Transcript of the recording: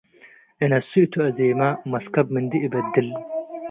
እነስእቱ አዜመ - መስከብ ምንዲ እበድል